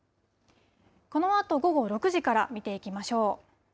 このあと午後６時から見ていきましょう。